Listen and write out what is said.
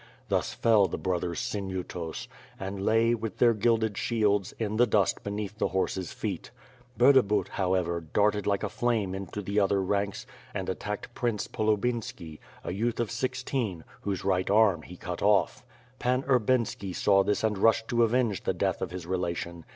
Thus fell the brothers Sinyutos, and lay, with their gilded shields, in the dust l)e neath the horses' feet. Burdabut, however, darted like a flame into the other ranks and attacked Prince Polubinski, a youth of sixteen, whose right arm he cut off. Pan Urbinski saw this and rushed to avenge the death of his relation.